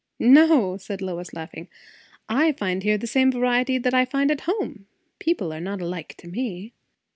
"No," said Lois, laughing; "I find here the same variety that I find at home. People are not alike to me."